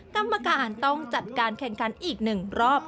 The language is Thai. กรรมการต้องจัดการแข่งขันอีก๑รอบ